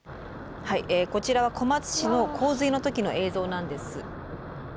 こちらは小松市の洪水の時の映像なんです。